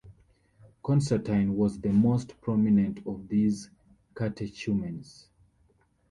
Constantine was the most prominent of these catechumens.